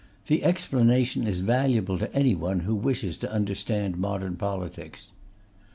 The explanation is valuable to anyone who wishes to understand modern politics.